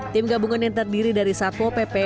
tim gabungan yang terdiri dari satpo pp